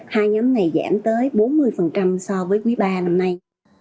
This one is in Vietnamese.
hai nhóm này giảm tới bốn mươi so với quý ba năm nay